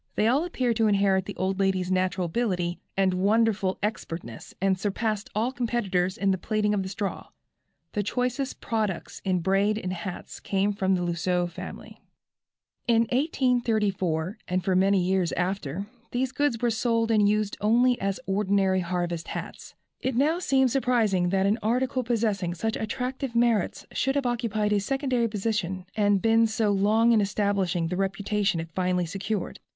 They all appeared to inherit the old lady's natural ability and wonderful expertness, and surpassed all competitors in the plaiting of the straw. The choicest products in braid and hats came from the Lousseux family. In 1834, and for many years after, these goods were sold and used only as ordinary harvest hats. It now seems surprising that an article possessing such attractive merits should have occupied a secondary position and been so long in establishing the reputation it finally secured.